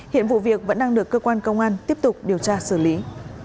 hiện vụ việc vẫn đang được cơ quan công an tiếp tục điều tra xử lý